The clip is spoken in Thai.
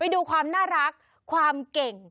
ดูความน่ารักความเก่ง